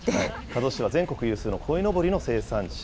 加須市は全国有数のこいのぼりの生産地。